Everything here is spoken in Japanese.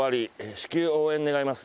至急、応援願います。